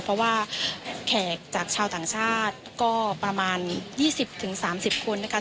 เพราะว่าแขกจากชาวต่างชาติก็ประมาณ๒๐๓๐คนนะคะ